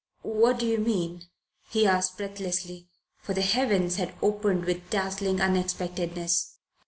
"What do you mean?" he asked breathlessly, for the heavens had opened with dazzling unexpectedness.